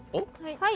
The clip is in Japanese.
はい！